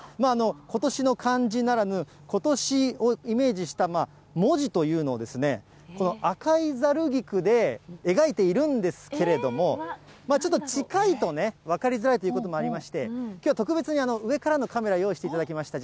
ことしの漢字ならぬ、ことしをイメージした文字というのをですね、この赤いざる菊で描いているんですけれども、ちょっと近いとね、分かりづらいということもありまして、きょう、特別に上からのカメラ用意していただきました。